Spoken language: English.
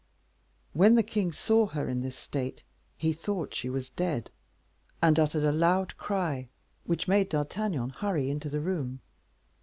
When the king saw her in this state, he thought she was dead, and uttered a loud cry, which made D'Artagnan hurry into the room.